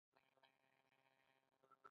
انتقادي تصویرونه د مجلو لپاره انځوروي.